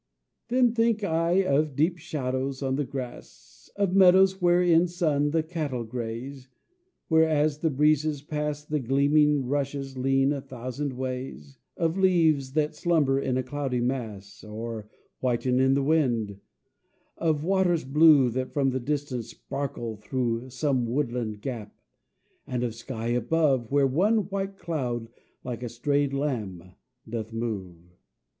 Then think I of deep shadows on the grass, Of meadows where in sun the cattle graze, Where, as the breezes pass, The gleaming rushes lean a thousand ways, Of leaves that slumber in a cloudy mass, Or whiten in the wind, of waters blue That from the distance sparkle through Some woodland gap, and of a sky above, Where one white cloud like a stray lamb doth move.